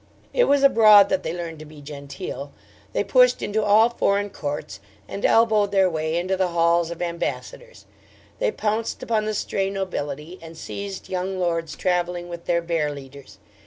It was abroad that they learned to be genteel. They pushed into all foreign courts, and elbowed their way into the halls of Ambassadors. They pounced upon the stray nobility, and seized young lords travelling with their bear leaders.